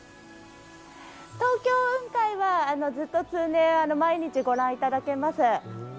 東京雲海はずっと数年毎日ご覧いただけます。